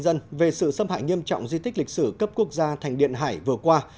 dân về sự xâm hại nghiêm trọng di tích lịch sử cấp quốc gia thành điện hải vừa qua